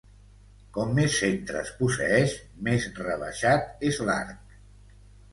Com més centres posseeix, més rebaixat és l'arc.